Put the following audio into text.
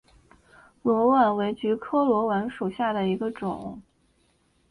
裸菀为菊科裸菀属下的一个种。